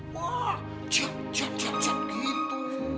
wah jat jat jat gitu